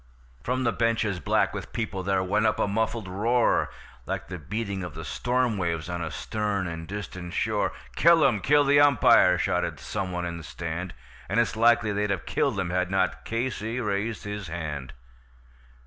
From the benches, black with people, there went up a muffled roar, Like the beating of the storm waves on a stern and distant shore; "Kill him! Kill the umpire!" shouted some one in the stand. And it's likely they'd have killed him had not Casey raised his hand.